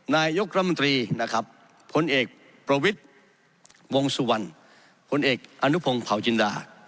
นายยกรมริผลเอกประวิตรวงสุวรรณผลเอกอนุพงศ์เผาจินตรา